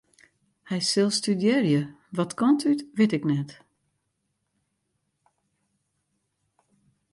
Hy sil studearje, wat kant út wit ik net.